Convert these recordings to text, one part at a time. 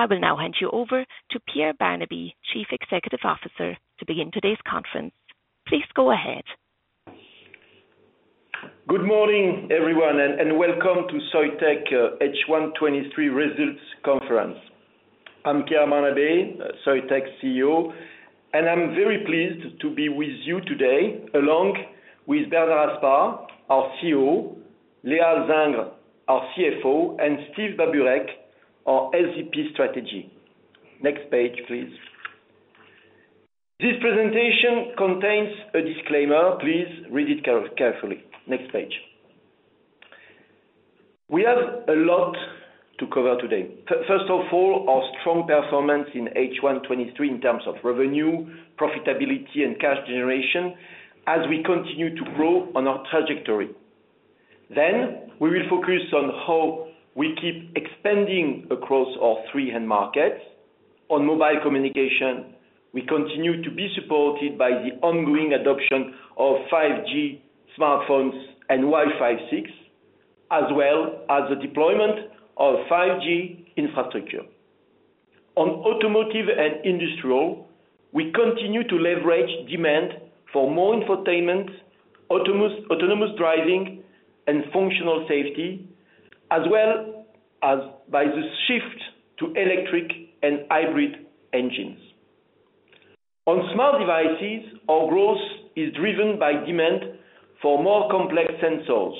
I will now hand you over to Pierre Barnabé, Chief Executive Officer, to begin today's conference. Please go ahead. Good morning, everyone, and welcome to Soitec H1 2023 Results Conference. I'm Pierre Barnabé, Soitec's CEO. I'm very pleased to be with you today along with Bernard Aspar, our COO, Léa Alzingre, our CFO, and Steve Babureck, our SVP Strategy. Next page, please. This presentation contains a disclaimer. Please read it carefully. Next page. We have a lot to cover today. First of all, our strong performance in H1 2023 in terms of revenue, profitability, and cash generation as we continue to grow on our trajectory. We will focus on how we keep expanding across our three end markets. On mobile communication, we continue to be supported by the ongoing adoption of 5G smartphones and Wi-Fi 6, as well as the deployment of 5G infrastructure. On automotive and industrial, we continue to leverage demand for more infotainment, autonomous driving, and functional safety, as well as by the shift to electric and hybrid engines. On smart devices, our growth is driven by demand for more complex sensors,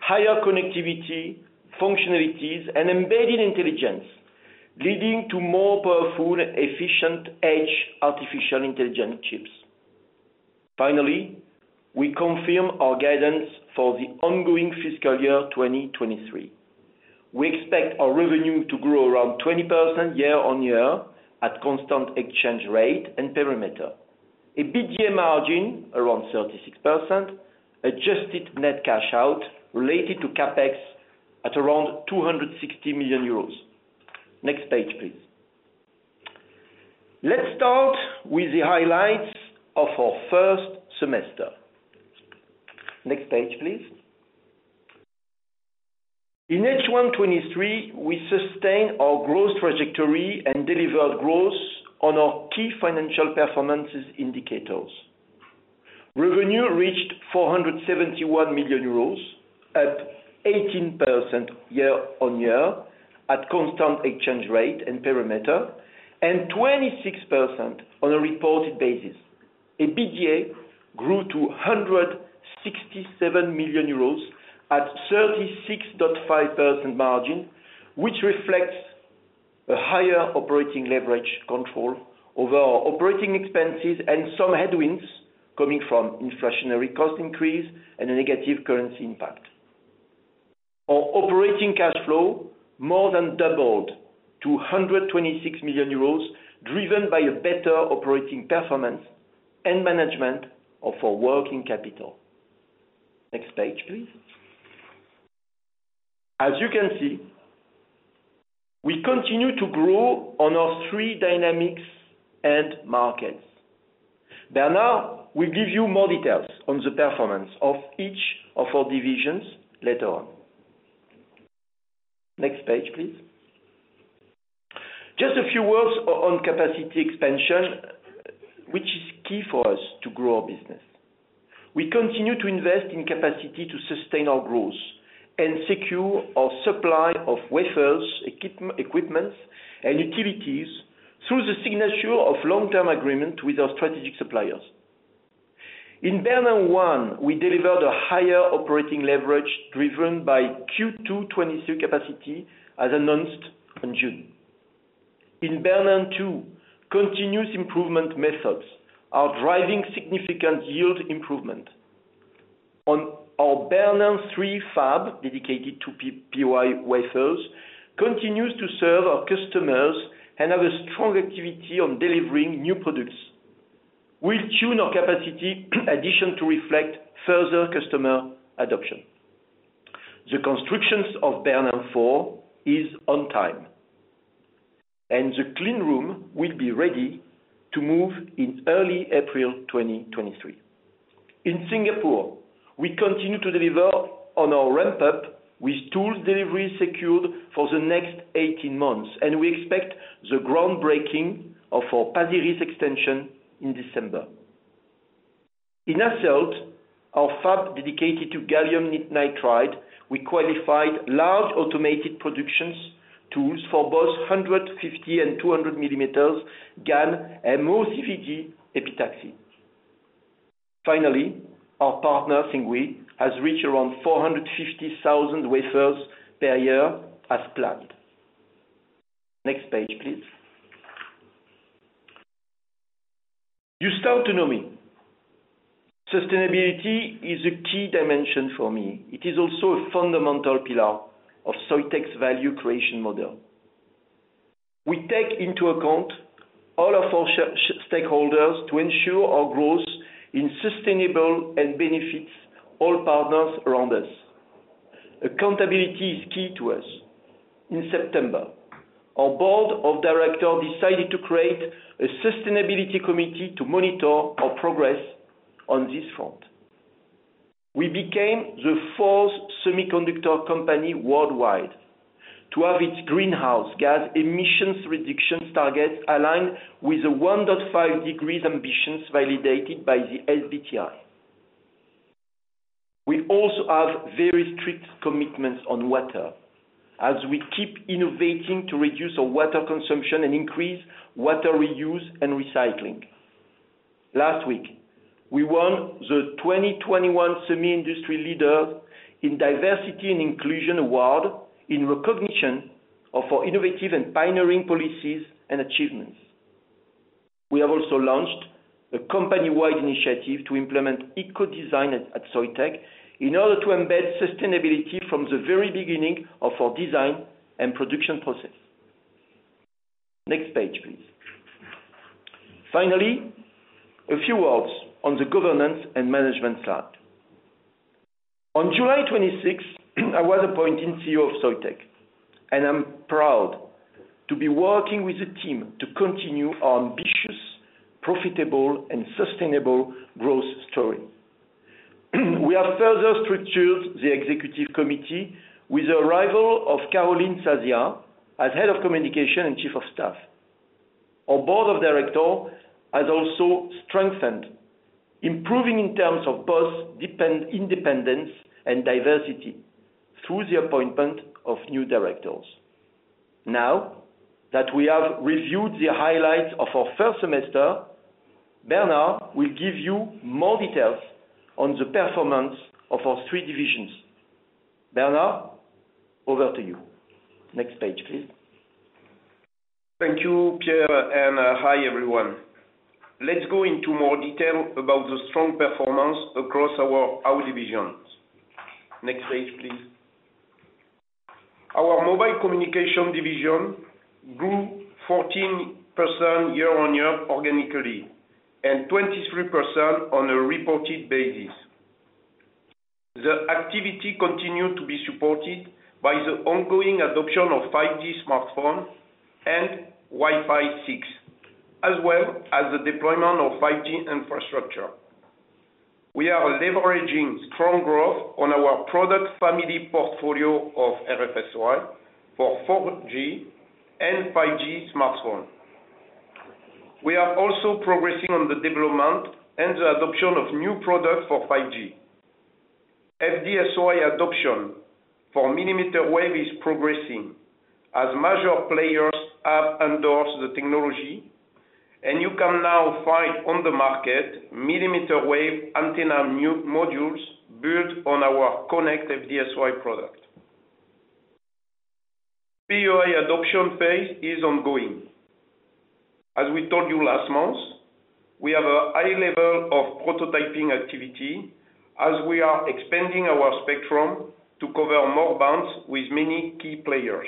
higher connectivity functionalities, and embedded intelligence, leading to more powerful, efficient edge artificial intelligence chips. We confirm our guidance for the ongoing fiscal year 2023. We expect our revenue to grow around 20% year-over-year at constant exchange rate and perimeter. EBITDA margin around 36%, adjusted net cash out related to CapEx at around 260 million euros. Next page, please. Let's start with the highlights of our first semester. Next page, please. In H1 2023, we sustained our growth trajectory and delivered growth on our key financial performances indicators. Revenue reached EUR 471 million at 18% year-on-year at constant exchange rate and perimeter, and 26% on a reported basis. EBITDA grew to 167 million euros at 36.5% margin, which reflects a higher operating leverage control over our operating expenses and some headwinds coming from inflationary cost increase and a negative currency impact. Our operating cash flow more than doubled to 126 million euros, driven by a better operating performance and management of our working capital. Next page, please. As you can see, we continue to grow on our three dynamics end markets. Bernard will give you more details on the performance of each of our divisions later on. Next page, please. Just a few words on capacity expansion, which is key for us to grow our business. We continue to invest in capacity to sustain our growth and secure our supply of wafers, equipments, and utilities through the signature of long-term agreement with our strategic suppliers. In Bernin 1, we delivered a higher operating leverage driven by Q2 2022 capacity as announced in June. In Bernin 2, continuous improvement methods are driving significant yield improvement. On our Bernin 3 fab dedicated to POI wafers, continues to serve our customers and have a strong activity on delivering new products. We'll tune our capacity addition to reflect further customer adoption. The constructions of Bernin 4 is on time, and the clean room will be ready to move in early April 2023. In Singapore, we continue to deliver on our ramp-up with tools delivery secured for the next 18 months, and we expect the groundbreaking of our Pasir Ris extension in December. In Hasselt, our fab dedicated to gallium nitride, we qualified large automated productions tools for both 150 mm and 200 mm GaN MOCVD epitaxy. Our partner, Simgui, has reached around 450,000 wafers per year as planned. Next page, please. You start to know me. Sustainability is a key dimension for me. It is also a fundamental pillar of Soitec's value creation model. We take into account all of our stakeholders to ensure our growth in sustainable and benefits all partners around us. Accountability is key to us. In September, our board of directors decided to create a sustainability committee to monitor our progress on this front. We became the fourth semiconductor company worldwide to have its greenhouse gas emissions reductions targets aligned with the 1.5 degrees ambitions validated by the SBTi. We also have very strict commitments on water as we keep innovating to reduce our water consumption and increase water reuse and recycling. Last week, we won the 2021 SEMI Industry Leader in Diversity and Inclusion Award in recognition of our innovative and pioneering policies and achievements. We have also launched a company-wide initiative to implement eco-design at Soitec in order to embed sustainability from the very beginning of our design and production process. Next page, please. Finally, a few words on the governance and management side. On July 26th, I was appointed CEO of Soitec, I'm proud to be working with the team to continue our ambitious, profitable, and sustainable growth story. We have further structured the executive committee with the arrival of Caroline Sasia as Head of Communications & Chief of Staff. Our board of director has also strengthened, improving in terms of both independence and diversity through the appointment of new directors. Now, that we have reviewed the highlights of our first semester, Bernard will give you more details on the performance of our three divisions. Bernard, over to you. Next page, please. Thank you, Pierre, and hi, everyone. Let's go into more detail about the strong performance across our divisions. Next page, please. Our mobile communication division grew 14% year-on-year organically and 23% on a reported basis. The activity continued to be supported by the ongoing adoption of 5G smartphones and Wi-Fi 6, as well as the deployment of 5G infrastructure. We are leveraging strong growth on our product family portfolio of RF-SOI for 4G and 5G smartphone. We are also progressing on the development and the adoption of new products for 5G. FD-SOI adoption for millimeter wave is progressing as major players have endorsed the technology, and you can now find on the market millimeter wave antenna modules built on our Connect FD-SOI product. POI adoption phase is ongoing. As we told you last month, we have a high level of prototyping activity as we are expanding our spectrum to cover more bands with many key players.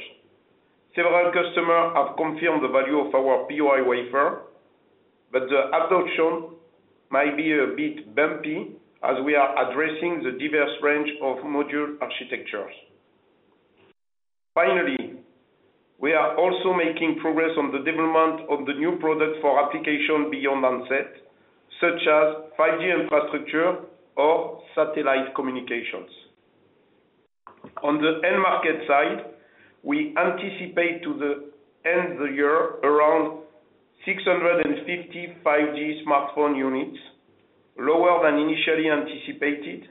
Several customers have confirmed the value of our POI wafer, but the adoption might be a bit bumpy as we are addressing the diverse range of module architectures. We are also making progress on the development of the new products for application beyond handset, such as 5G infrastructure or satellite communications. On the end market side, we anticipate to end the year around 650 5G smartphone units, lower than initially anticipated,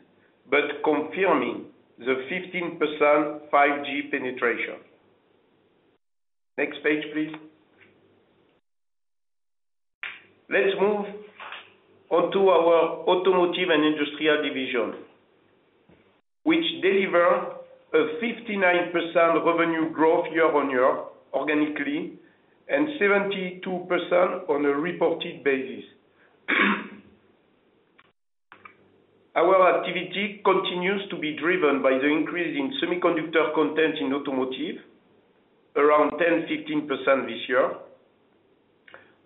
but confirming the 15% 5G penetration. Next page, please. Let's move on to our automotive and industrial division, which deliver a 59% revenue growth year-on-year organically and 72% on a reported basis. Our activity continues to be driven by the increase in semiconductor content in automotive, around 10%-15% this year.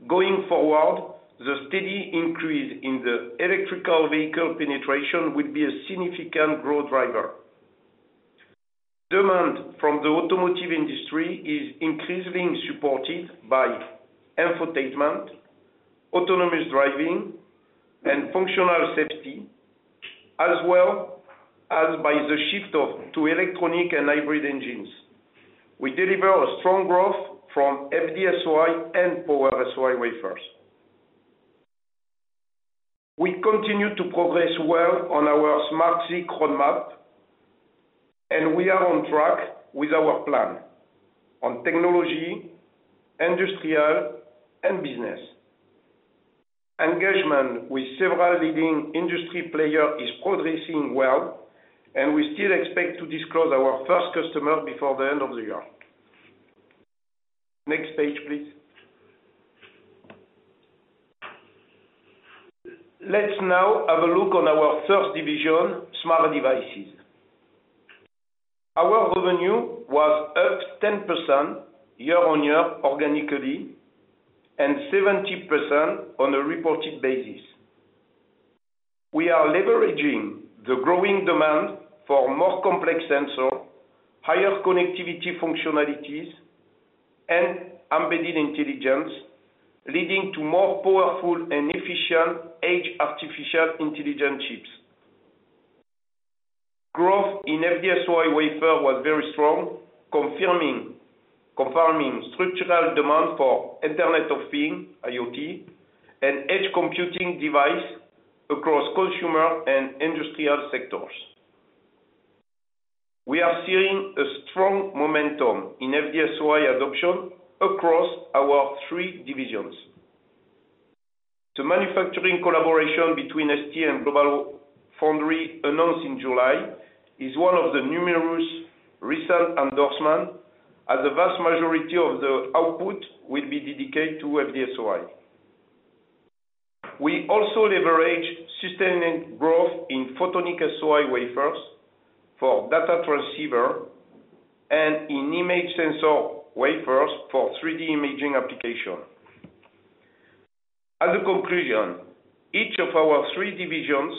Going forward, the steady increase in the electrical vehicle penetration will be a significant growth driver. Demand from the automotive industry is increasingly supported by infotainment, autonomous driving, and functional safety, as well as by the shift to electronic and hybrid engines. We deliver a strong growth from FD-SOI and Power-SOI wafers. We continue to progress well on our SmartSiC roadmap, and we are on track with our plan on technology, industrial, and business. Engagement with several leading industry player is progressing well, and we still expect to disclose our first customer before the end of the year. Next page, please. Let's now have a look on our first division, smart devices. Our revenue was up 10% year-over-year organically and 70% on a reported basis. We are leveraging the growing demand for more complex sensor, higher connectivity functionalities-embedded intelligence, leading to more powerful and efficient edge artificial intelligence chips. Growth in FD-SOI wafer was very strong, confirming structural demand for Internet of Things, IoT, and edge computing device across consumer and industrial sectors. We are seeing a strong momentum in FD-SOI adoption across our three divisions. The manufacturing collaboration between ST and GlobalFoundries announced in July is one of the numerous recent endorsements as the vast majority of the output will be dedicated to FD-SOI. We also leverage sustained growth in Photonic-SOI wafers for data transceiver and in image sensor wafers for 3D imaging application. As a conclusion, each of our three divisions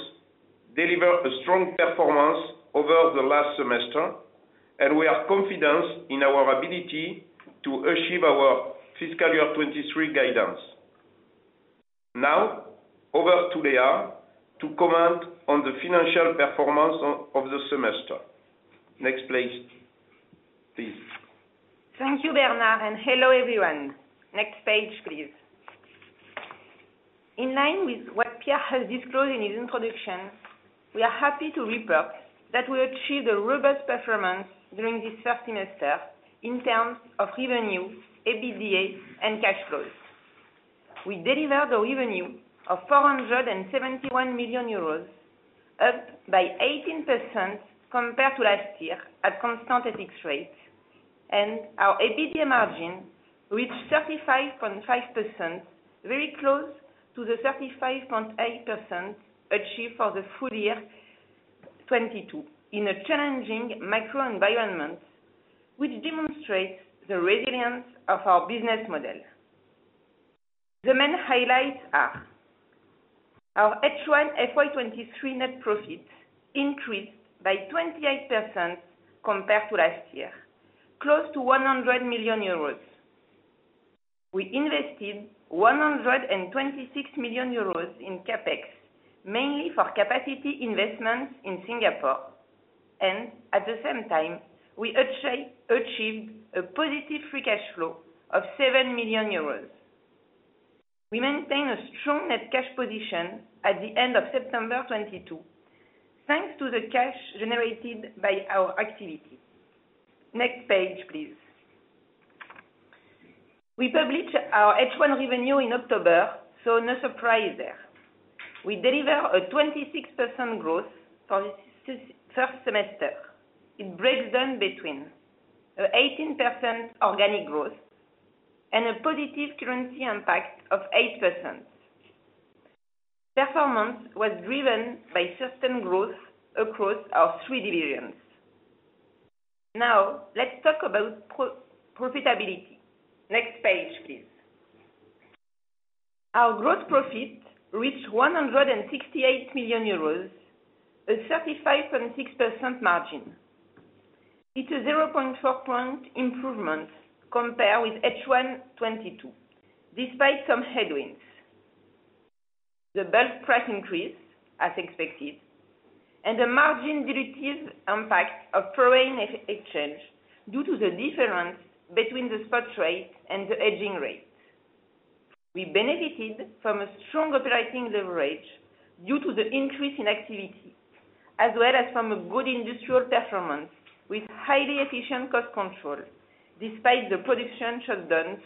deliver a strong performance over the last semester, and we have confidence in our ability to achieve our fiscal year 2023 guidance. Now over to Léa to comment on the financial performance of the semester. Next please. Thank you, Bernard. Hello everyone. Next page, please. In line with what Pierre has disclosed in his introduction, we are happy to report that we achieved a robust performance during this first semester in terms of revenue, EBITDA, and cash flows. We delivered a revenue of 471 million euros, up by 18% compared to last year at constant FX rate. Our EBITDA margin reached 35.5%, very close to the 35.8% achieved for the full year 2022 in a challenging macro environment, which demonstrates the resilience of our business model. The main highlights are our H1 FY 2023 net profit increased by 28% compared to last year, close to 100 million euros. We invested 126 million euros in CapEx, mainly for capacity investments in Singapore. At the same time, we achieved a positive free cash flow of 7 million euros. We maintain a strong net cash position at the end of September 2022, thanks to the cash generated by our activity. Next page, please. We publish our H1 revenue in October, no surprise there. We deliver a 26% growth for this first semester. It breaks down between a 18% organic growth and a positive currency impact of 8%. Performance was driven by system growth across our three divisions. Let's talk about profitability. Next page, please. Our gross profit reached 168 million euros, a 35.6% margin. It's a 0.4 point improvement compared with H1 2022 despite some headwinds. The bulk price increase as expected and a margin dilutive impact of foreign exchange due to the difference between the spot rate and the hedging rate. We benefited from a strong operating leverage due to the increase in activity as well as from a good industrial performance with highly efficient cost control despite the production shutdowns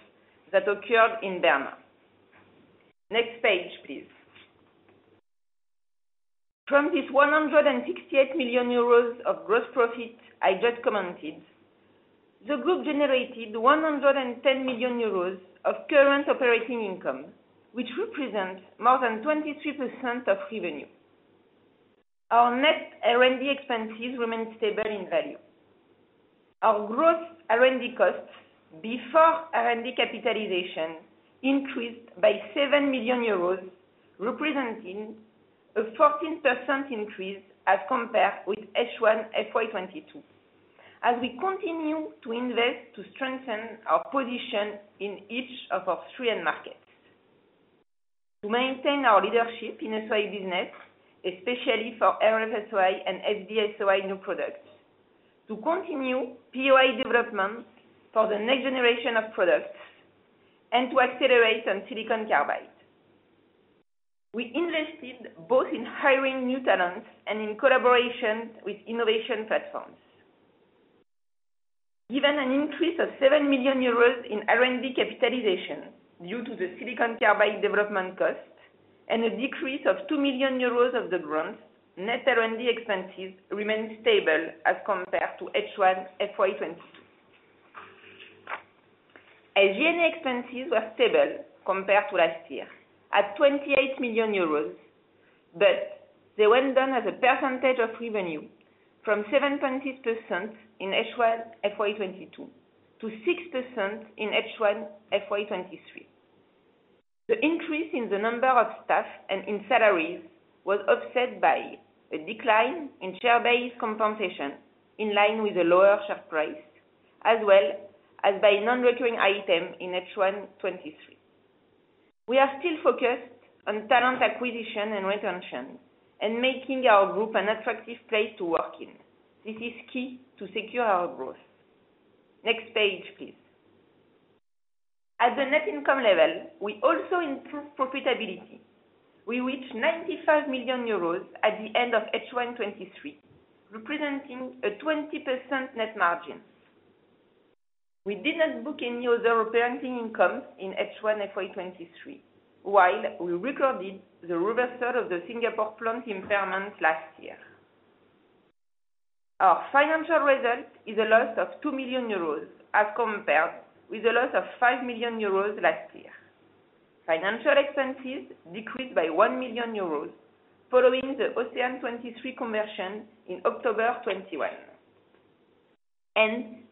that occurred in Bernin. Next page, please. From this 168 million euros of gross profit I just commented, the group generated 110 million euros of current operating income, which represents more than 23% of revenue. Our net R&D expenses remain stable in value. Our gross R&D costs before R&D capitalization increased by 7 million euros, representing a 14% increase as compared with H1 FY 2022 as we continue to invest to strengthen our position in each of our three end markets. To maintain our leadership in SOI business, especially for RF-SOI and FD-SOI new products, to continue POI development for the next generation of products and to accelerate on silicon carbide. We invested both in hiring new talents and in collaboration with innovation platforms. Given an increase of 7 million euros in R&D capitalization due to the silicon carbide development cost and a decrease of 2 million euros of the grants, net R&D expenses remained stable as compared to H1 FY 2022. SG&A expenses were stable compared to last year at 28 million euros. They went down as a percentage of revenue from 7.2% in H1 FY 2022 to 6% in H1 FY 2023. The increase in the number of staff and in salaries was offset by a decline in share-based compensation, in line with the lower share price, as well as by non-recurring item in H1 2023. We are still focused on talent acquisition and retention, and making our group an attractive place to work in. This is key to secure our growth. Next page, please. At the net income level, we also improved profitability. We reached 95 million euros at the end of H1 2023, representing a 20% net margin. We didn't book any other parenting income in H1 FY 2023, while we recorded the reversal of the Singapore plant impairment last year. Our financial result is a loss of 2 million euros, as compared with a loss of 5 million euros last year. Financial expenses decreased by 1 million euros following the OCEANE 2023 conversion in October 2021.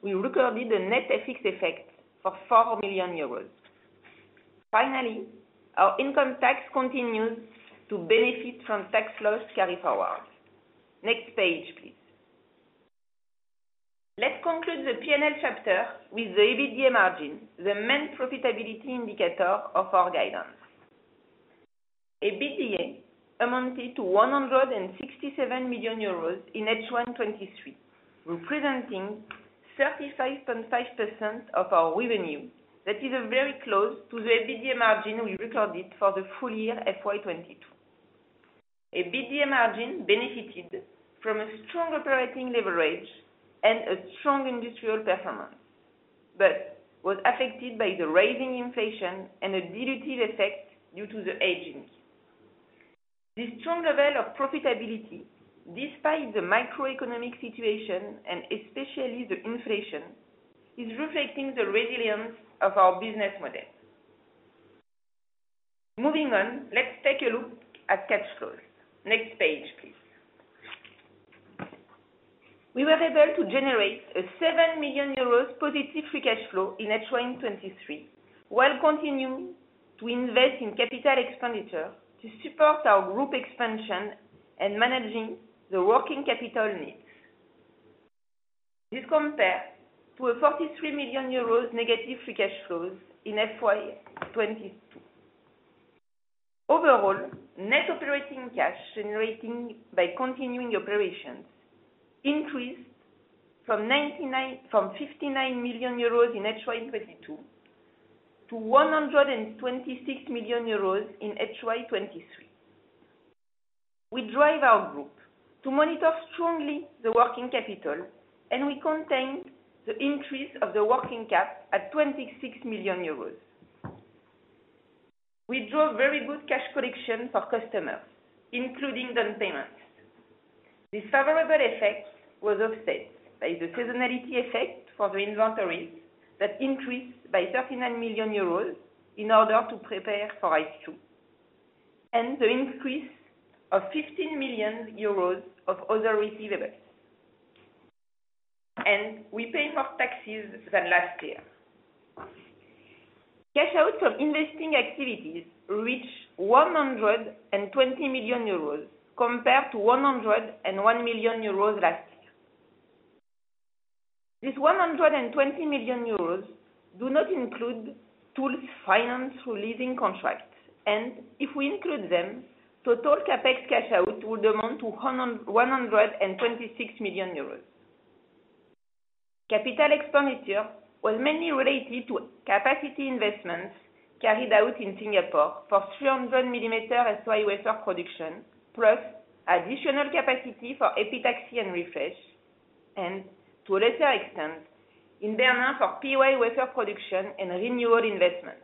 We recorded a net FX effect for 4 million euros. Finally, our income tax continues to benefit from tax laws carryforwards. Next page, please. Let's conclude the P&L chapter with the EBITDA margin, the main profitability indicator of our guidance. EBITDA amounted to 167 million euros in H1 2023, representing 35.5% of our revenue. That is a very close to the EBITDA margin we recorded for the full year FY 2022. EBITDA margin benefited from a strong operating leverage and a strong industrial performance, was affected by the rising inflation and a dilutive effect due to the hedging. This strong level of profitability, despite the macroeconomic situation and especially the inflation, is reflecting the resilience of our business model. Moving on, let's take a look at cash flows. Next page, please. We were able to generate a 7 million euros positive free cash flow in H1 2023, while continuing to invest in capital expenditure to support our group expansion and managing the working capital needs. This compare to a 43 million euros negative free cash flows in FY 2022. Overall, net operating cash generating by continuing operations increased from 59 million euros in FY 2023 to 126 million euros in FY 2023. We drive our group to monitor strongly the working capital, and we contained the increase of the working cap at 26 million euros. We drove very good cash collection for customers, including down payments. This favorable effect was offset by the seasonality effect for the inventories that increased by 39 million euros in order to prepare for ICE2, and the increase of 15 million euros of other receivables. We pay more taxes than last year. Cash out from investing activities reached 120 million euros compared to 101 million euros last year. This 120 million euros do not include tools financed through leasing contracts, and if we include them, total CapEx cash out would amount to 126 million euros. Capital expenditure was mainly related to capacity investments carried out in Singapore for 300 mm SOI wafer production, plus additional capacity for epitaxy and refresh, and to a lesser extent, in Bernin for PY wafer production and renewal investments.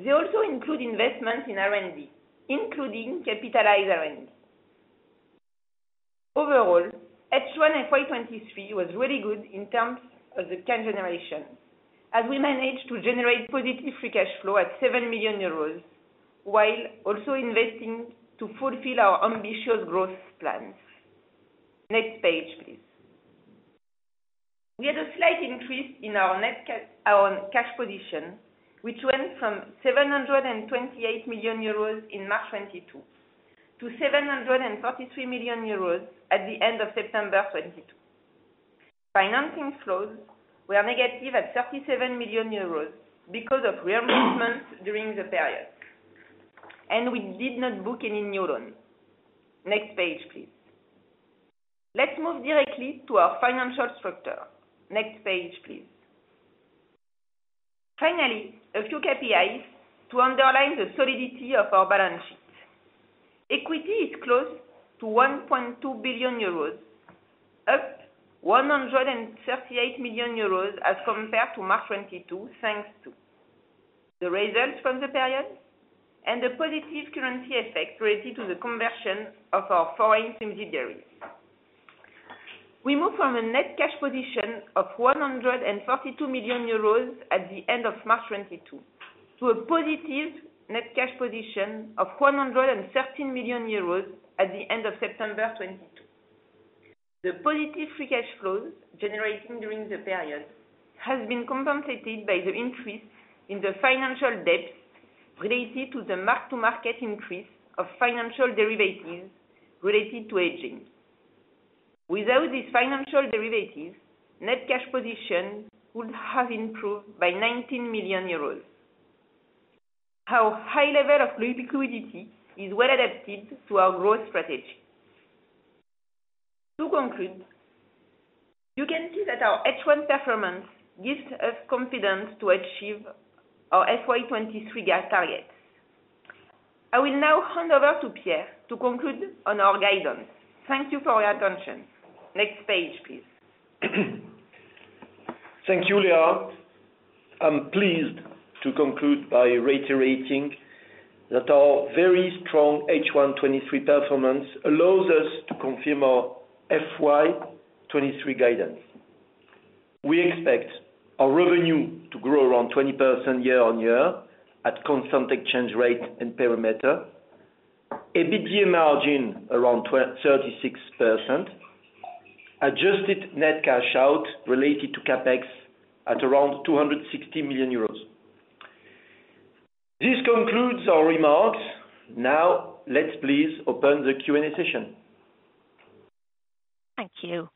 They also include investments in R&D, including capitalized R&D. Overall, H1 FY 2023 was really good in terms of the cash generation, as we managed to generate positive free cash flow at 7 million euros while also investing to fulfill our ambitious growth plans. Next page, please. We had a slight increase in our cash position, which went from 728 million euros in March 2022 to 733 million euros at the end of September 2022. Financing flows were negative at 37 million euros because of reimbursements during the period. We did not book any new loan. Next page, please. Let's move directly to our financial structure. Next page, please. A few KPIs to underline the solidity of our balance sheet. Equity is close to 1.2 billion euros, up 138 million euros as compared to March 2022, thanks to the results from the period and the positive currency effect related to the conversion of our foreign subsidiaries. We move from a net cash position of 132 million euros at the end of March 2022 to a positive net cash position of 113 million euros at the end of September 2022. The positive free cash flows generating during the period has been compensated by the increase in the financial debt related to the mark-to-market increase of financial derivatives related to hedging. Without these financial derivatives, net cash position would have improved by 19 million euros. Our high level of liquidity is well adapted to our growth strategy. To conclude, you can see that our H1 performance gives us confidence to achieve our FY 2023 GAAP targets. I will now hand over to Pierre to conclude on our guidance. Thank you for your attention. Next page, please. Thank you, Léa. I'm pleased to conclude by reiterating that our very strong H1 2023 performance allows us to confirm our FY 2023 guidance. We expect our revenue to grow around 20% year-on-year at constant exchange rate and perimeter. EBITDA margin around 36%. Adjusted net cash out related to CapEx at around 260 million euros. This concludes our remarks. Now, let's please open the Q&A session. Thank you.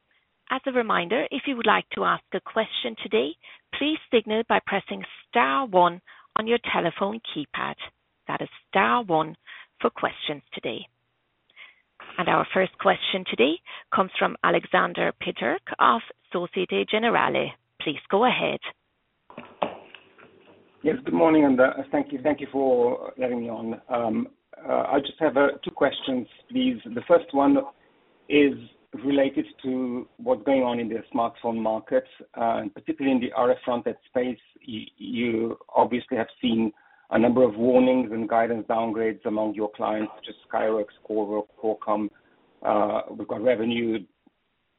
As a reminder, if you would like to ask a question today, please signal by pressing star one on your telephone keypad. That is star one for questions today. Our first question today comes from Aleksander Peterc of Société Générale. Please go ahead. Yes, good morning, thank you for letting me on. I just have two questions, please. The first one is related to what's going on in the smartphone market, particularly in the RF front-end space. You obviously have seen a number of warnings and guidance downgrades among your clients, such as Skyworks, Qorvo, Qualcomm. We've got revenue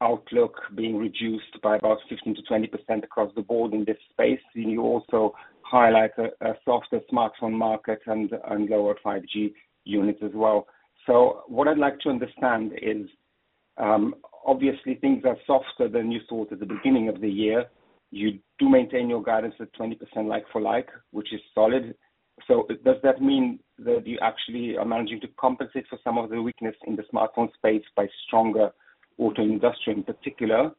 outlook being reduced by about 15%-20% across the board in this space. You also highlight a softer smartphone market and lower 5G units as well. What I'd like to understand is, obviously things are softer than you thought at the beginning of the year. You do maintain your guidance at 20% like for like, which is solid. Does that mean that you actually are managing to compensate for some of the weakness in the smartphone space by stronger auto industry in particular?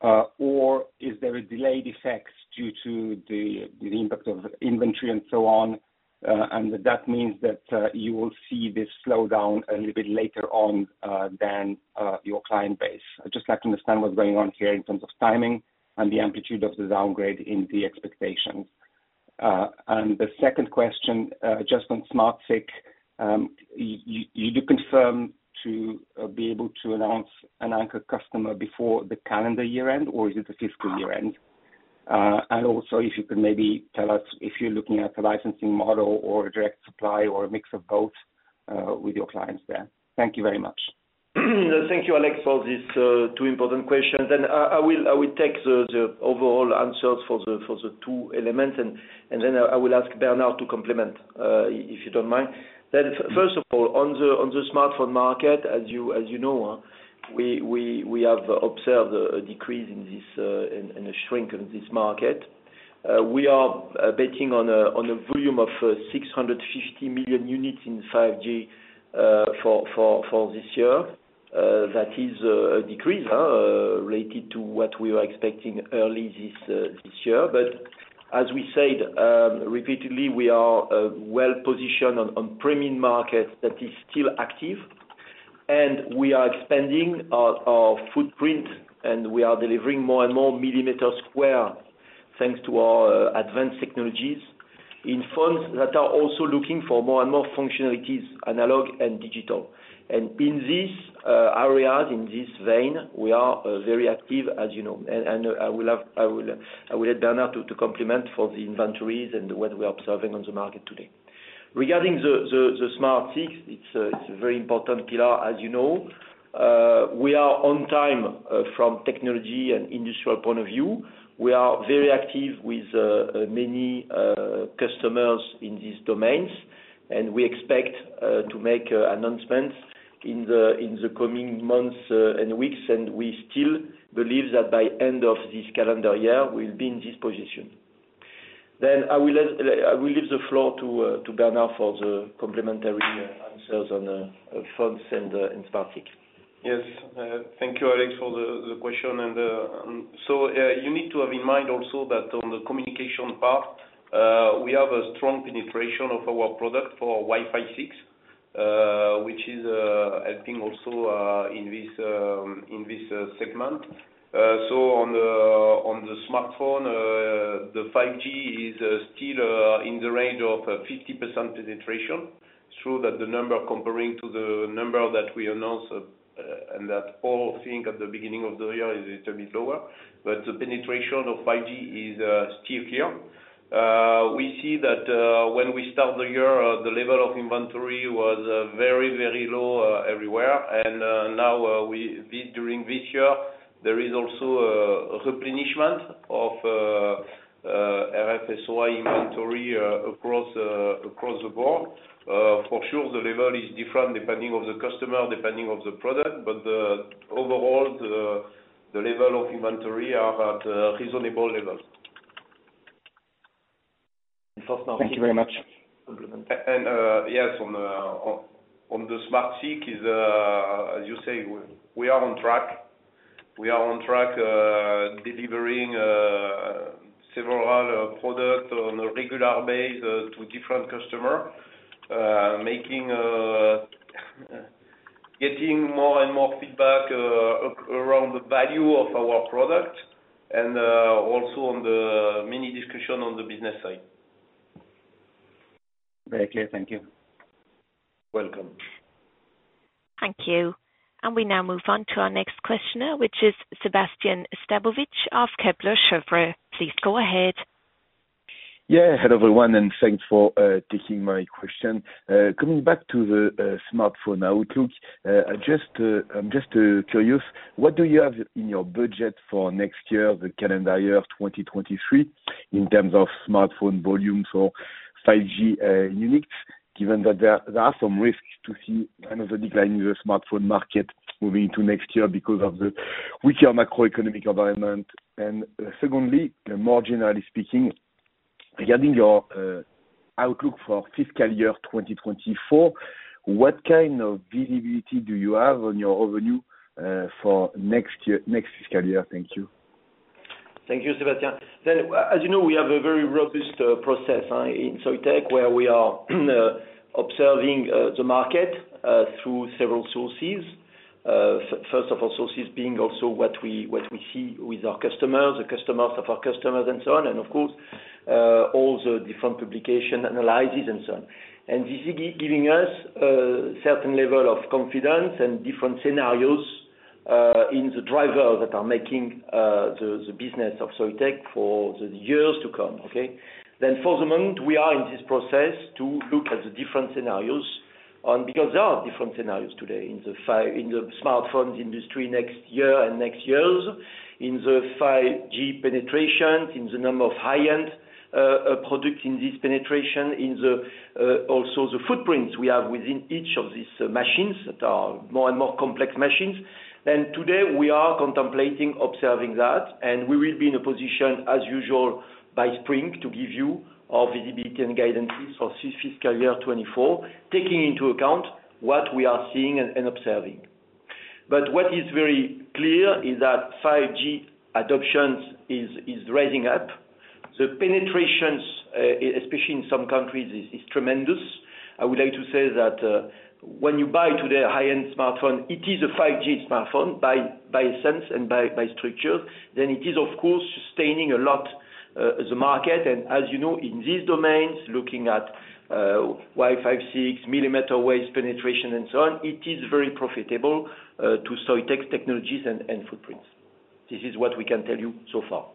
Or is there a delayed effect due to the impact of inventory and so on, and that means that you will see this slow down a little bit later on than your client base? I'd just like to understand what's going on here in terms of timing and the amplitude of the downgrade in the expectations. The second question, just on SmartSiC. You do confirm to be able to announce an anchor customer before the calendar year end, or is it the fiscal year end? Also if you could maybe tell us if you're looking at a licensing model or a direct supply or a mix of both with your clients there. Thank you very much. Thank you, Alek, for this two important questions. I will take the overall answers for the two elements, and then I will ask Bernard to complement if you don't mind. First of all, on the smartphone market, as you know, we have observed a decrease in a shrink in this market. We are betting on a volume of 650 million units in 5G for this year. That is a decrease related to what we were expecting early this year. As we said, repeatedly, we are well positioned on premium market that is still active. We are expanding our footprint, and we are delivering more and more millimeter square thanks to our advanced technologies in phones that are also looking for more and more functionalities, analog and digital. In this areas, in this vein, we are very active, as you know. I will let Bernard to complement for the inventories and what we are observing on the market today. Regarding the SmartSiC, it's a very important pillar, as you know. We are on time from technology and industrial point of view. We are very active with many customers in these domains, and we expect to make announcements in the coming months and weeks. We still believe that by end of this calendar year, we'll be in this position. I will leave the floor to Bernard for the complementary answers on phones and SmartSiC. Yes. Thank you, Alex, for the question. You need to have in mind also that on the communication part, we have a strong penetration of our product for Wi-Fi 6, which is helping also in this segment. On the smartphone, the 5G is still in the range of 50% penetration. True that the number comparing to the number that we announced and that all think at the beginning of the year is a bit lower, the penetration of 5G is still here. We see that when we start the year, the level of inventory was very low everywhere. Now during this year, there is also a replenishment of FD-SOI inventory across the board. For sure, the level is different depending of the customer, depending of the product. The overall, the level of inventory are at a reasonable level. Thank you very much. Yes, on the SmartSiC is, as you say, we are on track. We are on track, delivering, several other products on a regular base to different customer, making, getting more and more feedback, around the value of our product, and also on the mini discussion on the business side. Very clear. Thank you. Welcome. Thank you. We now move on to our next questioner, which is Sébastien Sztabowicz of Kepler Cheuvreux. Please go ahead. Yeah. Hello, everyone, and thanks for taking my question. Coming back to the smartphone outlook, I just, I'm just curious, what do you have in your budget for next year, the calendar year of 2023, in terms of smartphone volumes or 5G units, given that there are some risks to see another decline in the smartphone market moving into next year because of the weaker macroeconomic environment. Secondly, more generally speaking, regarding your outlook for fiscal year 2024, what kind of visibility do you have on your revenue for next fiscal year? Thank you. Thank you, Sébastien. As you know, we have a very robust process in Soitec, where we are observing the market through several sources. First of all, sources being also what we see with our customers, the customers of our customers and so on, and of course, all the different publication analysis and so on. This is giving us a certain level of confidence and different scenarios in the drivers that are making the business of Soitec for the years to come, okay? For the moment, we are in this process to look at the different scenarios on because there are different scenarios today in the smartphone industry next year and next years, in the 5G penetration, in the number of high-end products in this penetration, in also the footprints we have within each of these machines that are more and more complex machines. Today we are contemplating observing that, and we will be in a position, as usual, by spring, to give you our visibility and guidances for fiscal year 2024, taking into account what we are seeing and observing. What is very clear is that 5G adoptions is rising up. The penetrations especially in some countries is tremendous. I would like to say that when you buy today a high-end smartphone, it is a 5G smartphone by essence and by structure. It is, of course, sustaining a lot the market. As you know, in these domains, looking at Wi-Fi 6, millimeter waves penetration and so on, it is very profitable to Soitec's technologies and footprints. This is what we can tell you so far.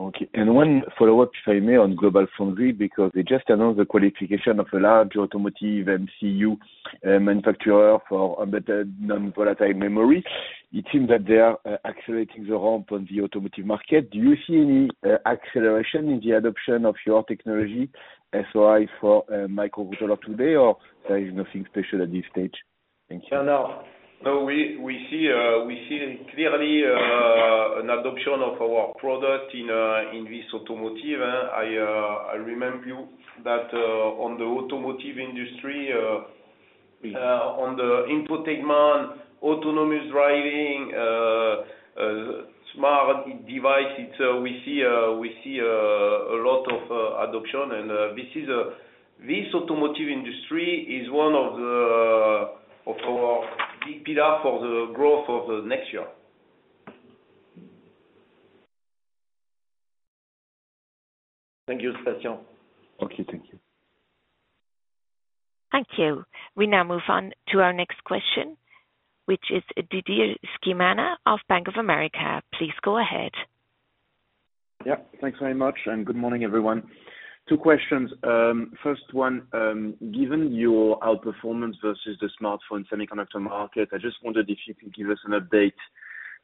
Okay. One follow-up, if I may, on GlobalFoundries, because they just announced the qualification of a large automotive MCU manufacturer for embedded non-volatile memory. It seems that they are accelerating the ramp on the automotive market. Do you see any acceleration in the adoption of your technology, SOI, for micro controller today, or there is nothing special at this stage? Thank you. No, we see, we see clearly, an adoption of our product in this automotive. I remind you that, on the automotive industry. Yes On the infotainment, autonomous driving, smart devices, we see a lot of adoption. This automotive industry is one of the, of our big pillar for the growth of the next year. Thank you, Sébastien. Okay. Thank you. Thank you. We now move on to our next question, which is Didier Scemama of Bank of America. Please go ahead. Yeah. Thanks very much, good morning, everyone. Two questions. First one, given your outperformance versus the smartphone semiconductor market, I just wondered if you can give us an update,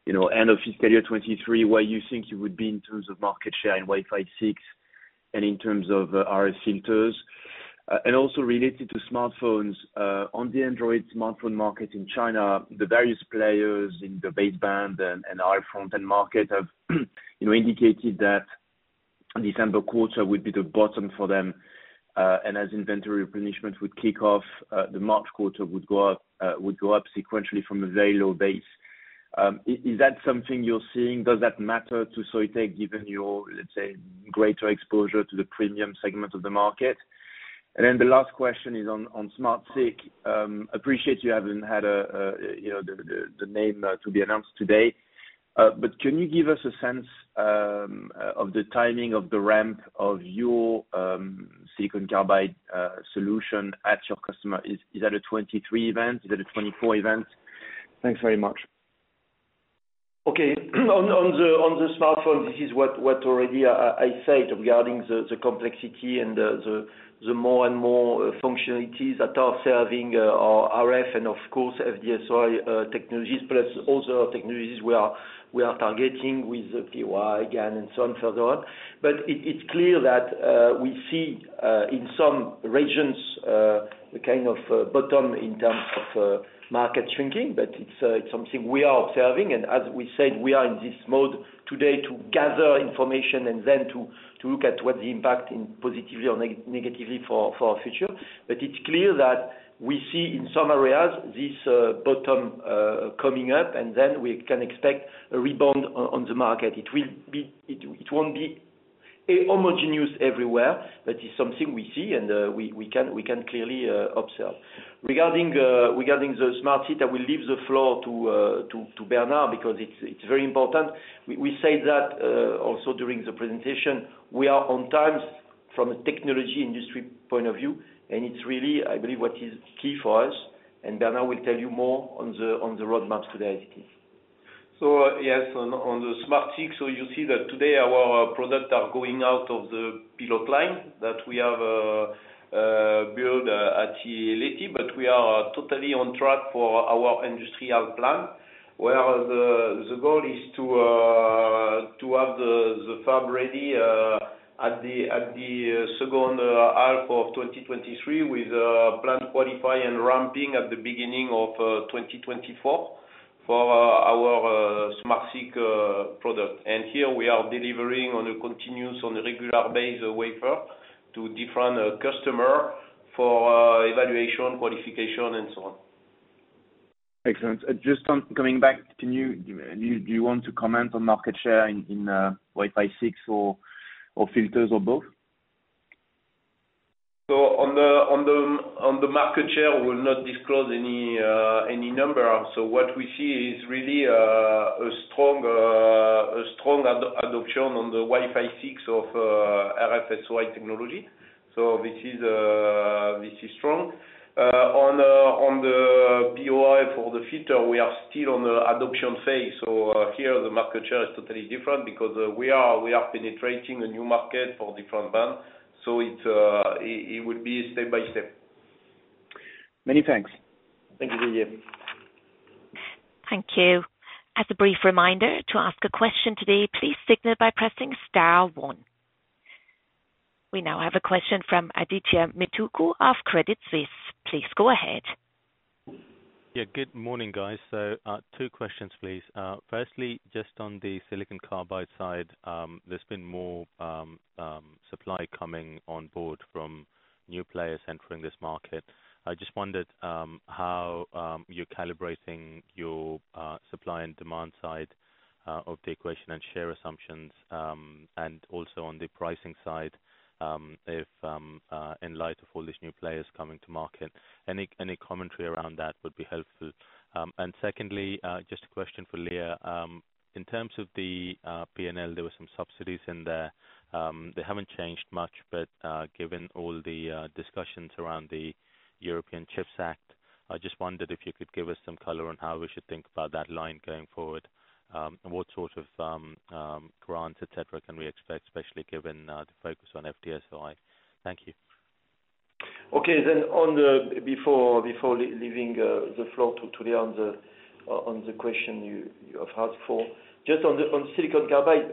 you know, end of fiscal year 2023, where you think you would be in terms of market share in Wi-Fi 6 and in terms of RF filters. Also related to smartphones, on the Android smartphone market in China, the various players in the baseband and RF front-end market have, you know, indicated that December quarter would be the bottom for them. As inventory replenishment would kick off, the March quarter would go up sequentially from a very low base. Is that something you're seeing? Does that matter to Soitec given your, let's say, greater exposure to the premium segment of the market? Then the last question is on SmartSiC. Appreciate you haven't had a, you know, the name to be announced today, but can you give us a sense of the timing of the ramp of your silicon carbide solution at your customer? Is that a 2023 event? Is that a 2024 event? Thanks very much. Okay. On the smartphone, this is what already I said regarding the complexity and the more and more functionalities that are serving our RF and of course FD-SOI technologies, plus also technologies we are targeting with the POI again and so on, further on. It's clear that we see in some regions a kind of bottom in terms of market shrinking, but it's something we are observing. As we said, we are in this mode today to gather information and then to look at what the impact in positively or negatively for our future. It's clear that we see in some areas this bottom coming up, and then we can expect a rebound on the market. It won't be a homogeneous everywhere, but it's something we see and we can clearly observe. Regarding the SmartSiC, I will leave the floor to Bernard because it's very important. We say that also during the presentation, we are on times from a technology industry point of view, and it's really, I believe, what is key for us. Bernard will tell you more on the roadmaps today. Yes, on the SmartSiC, you see that today our product are going out of the pilot line that we have built at CEA-Leti. We are totally on track for our industrial plan, where the goal is to have the fab ready at the H2 of 2023 with plant qualify and ramping at the beginning of 2024 for our SmartSiC product. Here we are delivering on a continuous on a regular basis wafer to different customer for evaluation, qualification and so on. Excellent. Just on coming back, can you Do you want to comment on market share in Wi-Fi 6 or filters or both? On the market share, we will not disclose any number. What we see is really a strong ad-adoption on the Wi-Fi 6 of RF-SOI technology. This is strong. On the POI for the filter, we are still on the adoption phase. Here the market share is totally different because we are penetrating a new market for different bands. It would be step by step. Many thanks. Thank you, Didier. Thank you. As a brief reminder to ask a question today, please signal by pressing star one. We now have a question from Aditya Mytuku of Credit Suisse. Please go ahead. Good morning, guys. Two questions please. Firstly, just on the silicon carbide side, there's been more supply coming on board from new players entering this market. I just wondered how you're calibrating your supply and demand side of the equation and share assumptions, and also on the pricing side, if in light of all these new players coming to market, any commentary around that would be helpful. Secondly, just a question for Léa. In terms of the P&L, there were some subsidies in there. They haven't changed much, given all the discussions around the European Chips Act, I just wondered if you could give us some color on how we should think about that line going forward. What sort of grants, et cetera, can we expect, especially given the focus on FD-SOI? Thank you. Okay. Before giving the floor to Léa on the question you have asked for. On silicon carbide,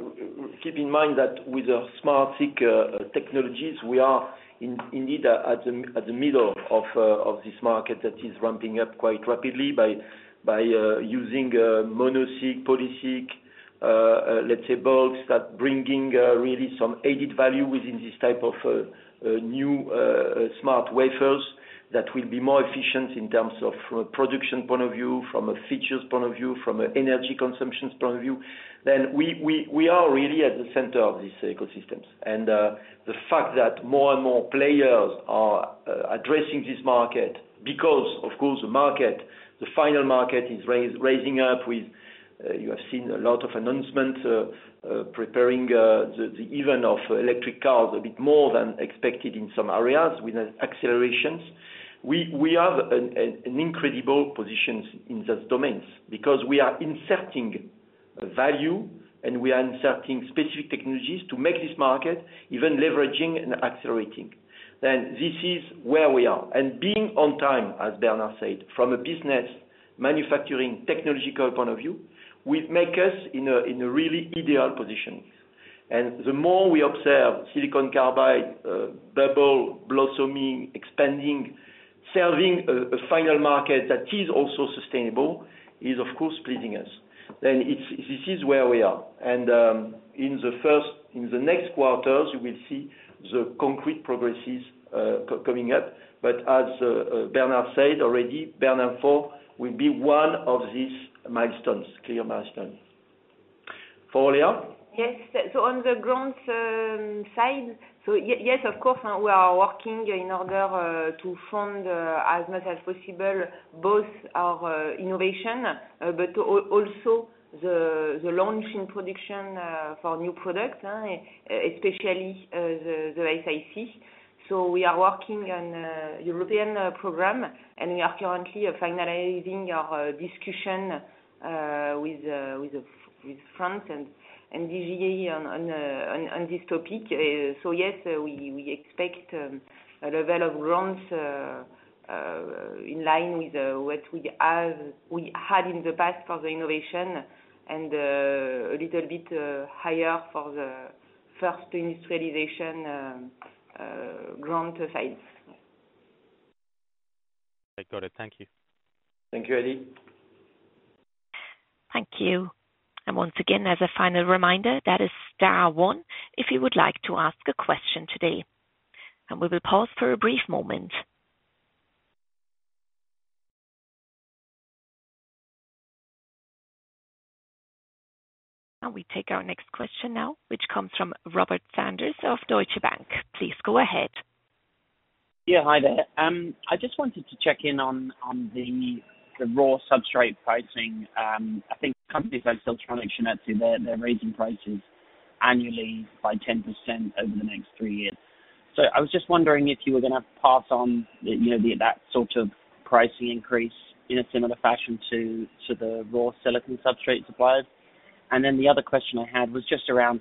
keep in mind that with the SmartSiC technologies, we are indeed at the middle of this market that is ramping up quite rapidly by using mono-SiC, poly-SiC, let's say bulks that bringing really some added value within this type of new smart wafers that will be more efficient in terms of production point of view, from a features point of view, from an energy consumptions point of view. We are really at the center of these ecosystems. The fact that more and more players are addressing this market because of course the market, the final market is raising up with you have seen a lot of announcements preparing the even of electric cars a bit more than expected in some areas with accelerations. We have an incredible positions in such domains because we are inserting value, and we are inserting specific technologies to make this market even leveraging and accelerating. This is where we are. Being on time, as Bernard said, from a business manufacturing technological point of view, will make us in a really ideal position. The more we observe silicon carbide bubble blossoming, expanding, serving a final market that is also sustainable is of course pleasing us. This is where we are. In the next quarters, you will see the concrete progresses coming up. As Bernard said already, Bernin 4 will be one of these milestones, clear milestones. For Léa. Yes. On the grants side, yes, of course, we are working in order to fund as much as possible both our innovation, but also the launch in production for new products, especially the SiC. We are working on a European program, and we are currently finalizing our discussion with France and DGA on this topic. Yes, we expect a level of grants in line with what we had in the past for the innovation and a little bit higher for the first industrialization grant side. Okay. Got it. Thank you. Thank you, Adit. Thank you. Once again, as a final reminder, that is star one, if you would like to ask a question today. We will pause for a brief moment. We take our next question now, which comes from Robert Sanders of Deutsche Bank. Please go ahead. Hi there. I just wanted to check in on the raw substrate pricing. I think companies like Siltronic, Shin-Etsu, they're raising prices annually by 10% over the next three years. I was just wondering if you were gonna pass on, you know, that sort of pricing increase in a similar fashion to the raw silicon substrate suppliers. The other question I had was just around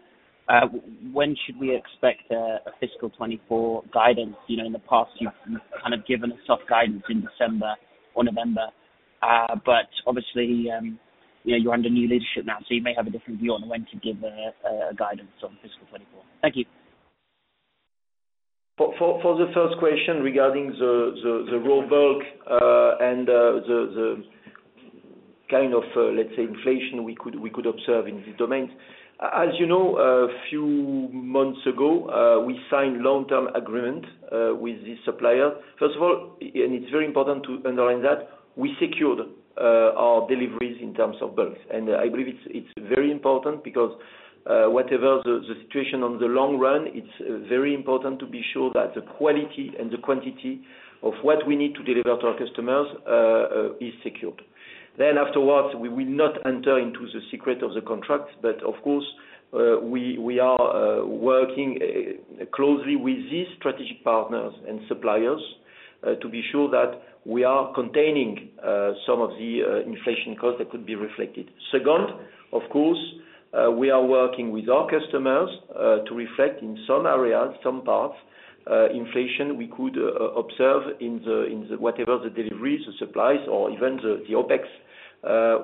when should we expect a fiscal 2024 guidance? You know, in the past, you've kind of given us soft guidance in December or November. Obviously, you know, you're under new leadership now, so you may have a different view on when to give a guidance on fiscal 2024. Thank you. For the first question regarding the raw bulk, and the kind of, let's say, inflation we could observe in these domains. As you know, a few months ago, we signed long-term agreement with the supplier. First of all, and it's very important to underline that, we secured our deliveries in terms of bulk. I believe it's very important because whatever the situation on the long run, it's very important to be sure that the quality and the quantity of what we need to deliver to our customers is secured. Afterwards, we will not enter into the secret of the contract, but of course, we are working closely with these strategic partners and suppliers to be sure that we are containing some of the inflation cost that could be reflected. Second, of course, we are working with our customers to reflect in some areas, some parts, inflation we could observe in the whatever the deliveries, the supplies or even the OpEx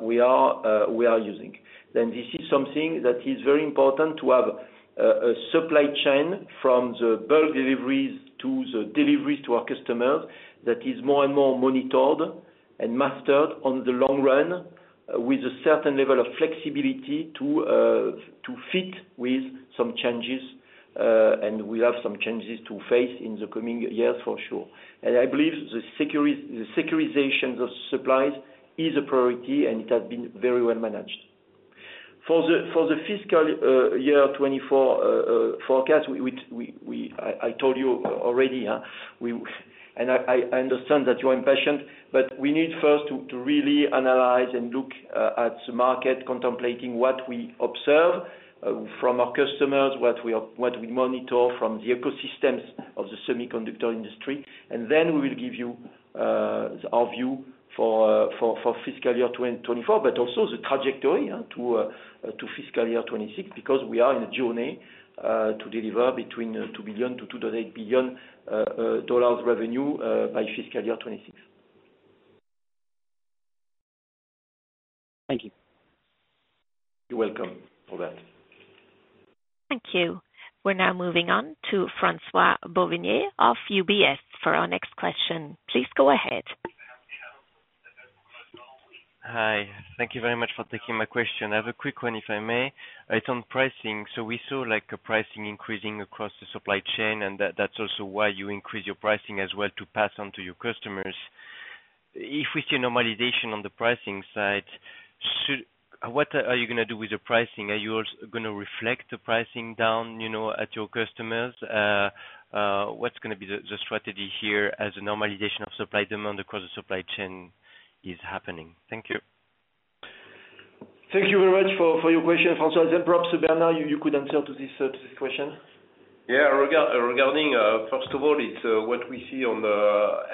we are using. This is something that is very important to have a supply chain from the bulk deliveries to the deliveries to our customers that is more and more monitored and mastered on the long run, with a certain level of flexibility to fit with some changes. We have some changes to face in the coming years for sure. I believe the securitization of supplies is a priority, and it has been very well managed. For the fiscal year 2024 forecast, which I told you already, I understand that you are impatient, but we need first to really analyze and look at the market, contemplating what we observe from our customers, what we monitor from the ecosystems of the semiconductor industry. We will give you our view for fiscal year 2024, but also the trajectory to fiscal year 2026, because we are in a journey to deliver between $2 billion-$2.8 billion revenue by fiscal year 2026. Thank you. You're welcome, Robert. Thank you. We're now moving on to François-Xavier Bouvignies of UBS for our next question. Please go ahead. Hi. Thank you very much for taking my question. I have a quick one, if I may. It's on pricing. We saw, like, pricing increasing across the supply chain, and that's also why you increase your pricing as well to pass on to your customers. If we see a normalization on the pricing side, what are you gonna do with the pricing? Are you gonna reflect the pricing down, you know, at your customers? What's gonna be the strategy here as a normalization of supply demand across the supply chain is happening? Thank you. Thank you very much for your question, François. Perhaps, Bernard, you could answer to this question. Yeah. Regarding, first of all, it's what we see.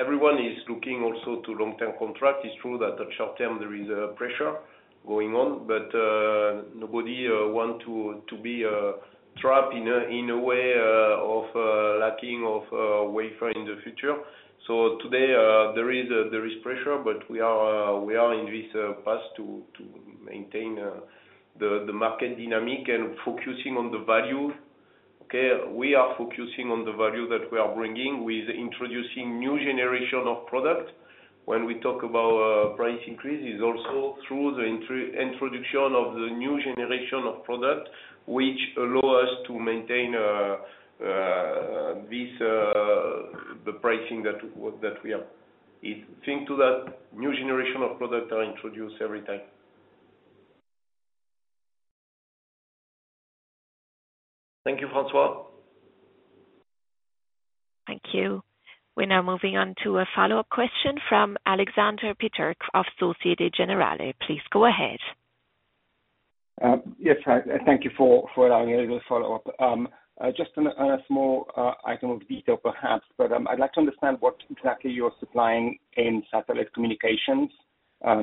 Everyone is looking also to long-term contract. It's true that at short-term there is a pressure going on, but nobody want to be trapped in a way of lacking of wafer in the future. Today, there is pressure, but we are in this path to maintain the market dynamic and focusing on the value. Okay, we are focusing on the value that we are bringing with introducing new generation of product. When we talk about price increase is also through the introduction of the new generation of product, which allow us to maintain this the pricing that we have. It's linked to that new generation of product are introduced every time. Thank you, François. Thank you. We're now moving on to a follow-up question from Aleksander Peterc of Société Générale. Please go ahead. Yes, thank you for allowing a little follow-up. Just on a small item of detail perhaps, but I'd like to understand what exactly you're supplying in satellite communications.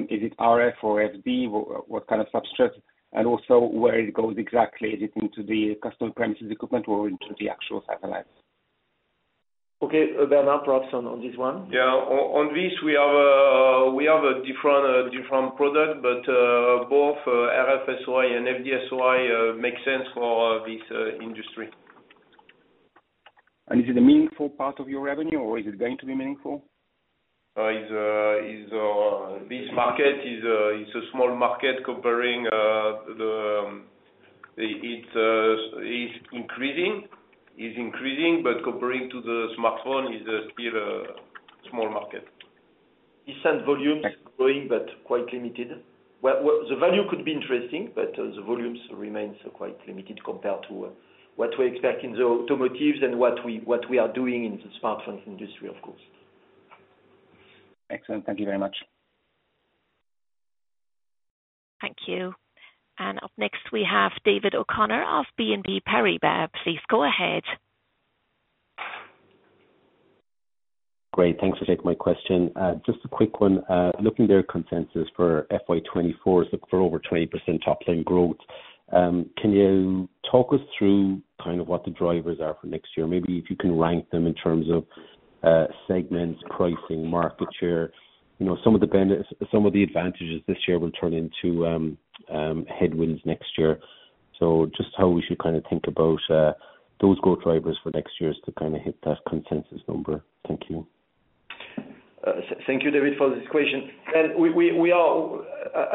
Is it RF or FD? What kind of substrates? Also where it goes exactly. Is it into the customer premises equipment or into the actual satellites? Okay. Bernard, perhaps on this one. Yeah. On this we have a different product, but, both RF-SOI and FD-SOI, makes sense for this industry. Is it a meaningful part of your revenue or is it going to be meaningful? It's, this market is a small market comparing, It, is increasing, but comparing to the smartphone, is still a small market. Decent volumes growing but quite limited. Well, the value could be interesting, but the volumes remains quite limited compared to what we expect in the automotives and what we are doing in the smartphone industry of course. Excellent. Thank you very much. Thank you. Up next we have David O'Connor of BNP Paribas. Please go ahead. Great, thanks for taking my question. Just a quick one. Looking at their consensus for FY 2024, look for over 20% top line growth. Can you talk us through kind of what the drivers are for next year? Maybe if you can rank them in terms of, segments, pricing, market share, you know, some of the benefits, some of the advantages this year will turn into, headwinds next year. Just how we should kind of think about, those growth drivers for next year to kind of hit that consensus number. Thank you. Thank you, David, for this question. We are,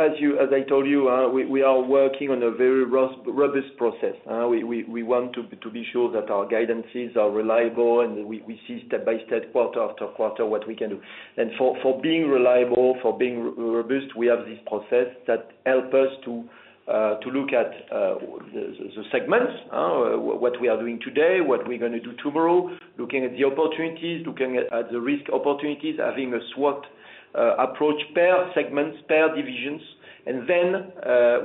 as you, as I told you, we are working on a very robust process. We want to be sure that our guidances are reliable and we see step by step, quarter-after-quarter what we can do. For being reliable, for being robust, we have this process that help us to look at the segments, what we are doing today, what we're gonna do tomorrow, looking at the opportunities, looking at the risk opportunities, having a SWOT approach, per segments, per divisions. Then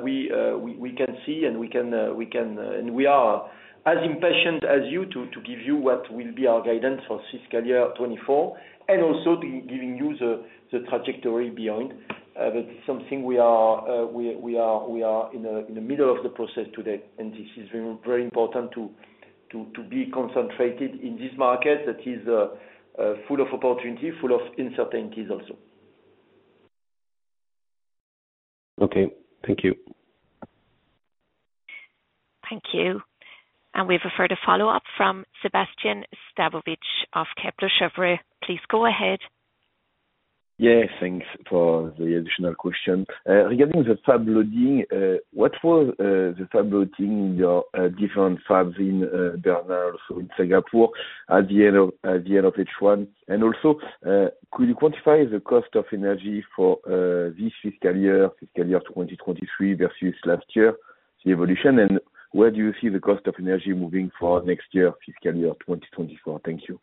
we can see and we can... We are as impatient as you to give you what will be our guidance for fiscal year 2024, and also giving you the trajectory beyond. That is something we are in the middle of the process today. This is very, very important to be concentrated in this market that is full of opportunity, full of uncertainties also. Okay. Thank you. Thank you. We have a further follow-up from Sébastien Sztabowicz of Kepler Cheuvreux. Please go ahead. Yeah, thanks for the additional question. Regarding the fab loading, what was the fab loading your different fabs in Bernin, so in Singapore at the end of H1? Also, could you quantify the cost of energy for this fiscal year, fiscal year 2023 versus last year, the evolution? Where do you see the cost of energy moving for next year, fiscal year 2024? Thank you.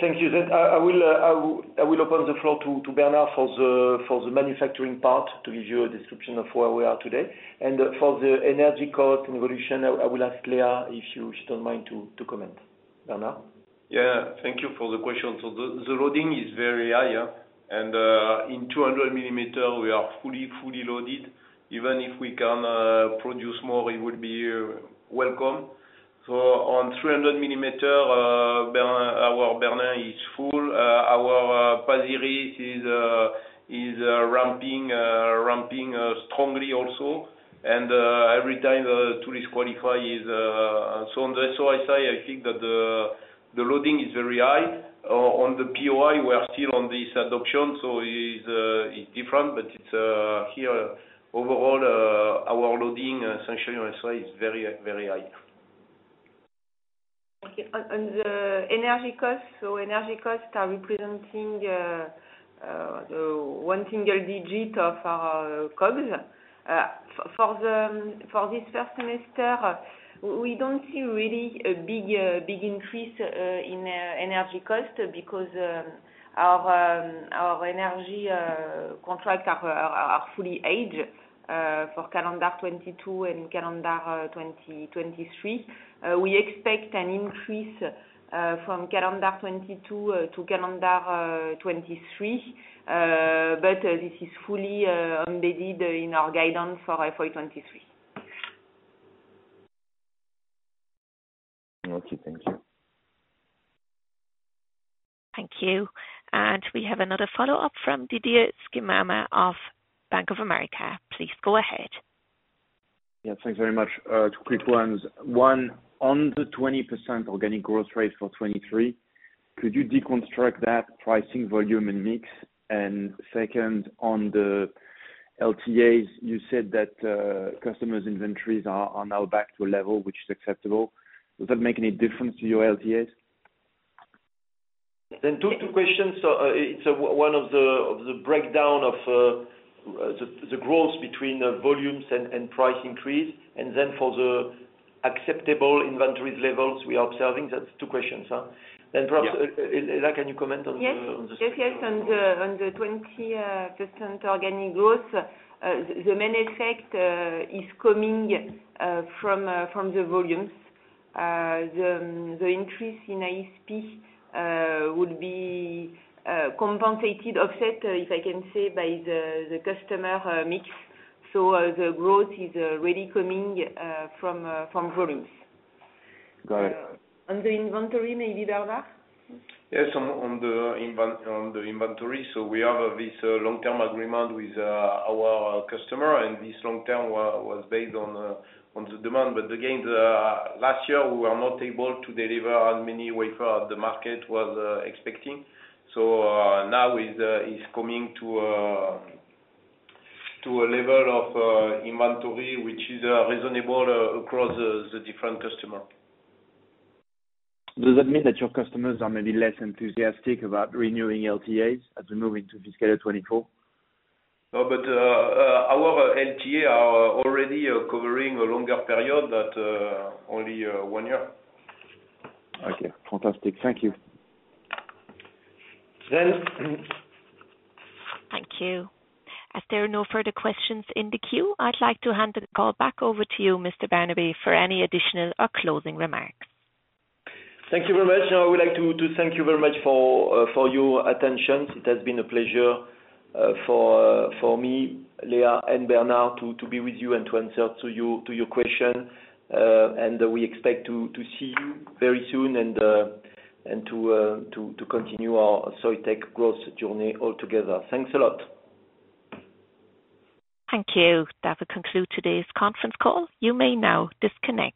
Thank you. I will open the floor to Bernard for the manufacturing part to give you a description of where we are today. For the energy cost and evolution, I will ask Léa if she don't mind to comment. Bernard. Yeah. Thank you for the question. The loading is very high, yeah. In 200 mm we are fully loaded. Even if we can produce more, it would be welcome. On 300 mm, our Bernin is full. Our Pasir Ris is ramping strongly also. Every time the tools qualify so on the SOI side, I think that the loading is very high. On the POI, we are still on this adoption, so it is different. It's here overall, our loading essentially on SOI is very high. Okay. The energy costs. Energy costs are representing one single digit of our costs. For this first semester, we don't see really a big increase in energy cost because our energy contracts are fully aged for calendar 2022 and calendar 2023. We expect an increase from calendar 2022 to calendar 2023. This is fully embedded in our guidance for FY 2023. Okay, thank you. Thank you. We have another follow-up from Didier Scemama of Bank of America. Please go ahead. Yeah, thanks very much. Two quick ones. One, on the 20% organic growth rate for 2023, could you deconstruct that pricing volume and mix? Second, on the LTAs, you said that customers inventories are now back to a level which is acceptable. Does that make any difference to your LTAs? Two questions. It's one of the breakdown of the growth between the volumes and price increase. Acceptable inventory levels we are observing. That's two questions, huh? Yeah. Perhaps, Léa, can you comment? Yes. Yes, yes. On the 20% organic growth, the main effect is coming from the volumes. The increase in ASP would be compensated, offset, if I can say, by the customer mix. The growth is really coming from volumes. Got it. On the inventory, maybe Bernard? Yes, on the inventory. We have this long-term agreement with our customer, and this long term was based on the demand. Again, last year, we were not able to deliver as many wafer the market was expecting. Now is coming to a level of inventory, which is reasonable across the different customer. Does that mean that your customers are maybe less enthusiastic about renewing LTAs as we move into fiscal 24? No, our LTA are already covering a longer period that only one year. Okay, fantastic. Thank you. Jane? Thank you. As there are no further questions in the queue, I'd like to hand the call back over to you, Mr. Barnabé, for any additional or closing remarks. Thank you very much. I would like to thank you very much for your attention. It has been a pleasure for me, Léa, and Bernard to be with you and to answer to your question. We expect to see you very soon and to continue our Soitec growth journey altogether. Thanks a lot. Thank you. That will conclude today's conference call. You may now disconnect.